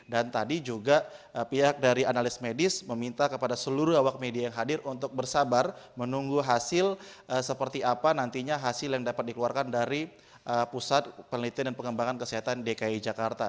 dan tadi juga pihak dari analis medis meminta kepada seluruh awak media yang hadir untuk bersabar menunggu hasil seperti apa nantinya hasil yang dapat dikeluarkan dari pusat penelitian dan pengembangan kesehatan dki jakarta